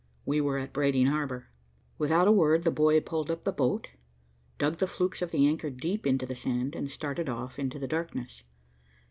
We were at Brading Harbor. Without a word, the boy pulled up the boat, dug the flukes of the anchor deep into the sand, and started off into the darkness.